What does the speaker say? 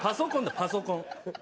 パソコン。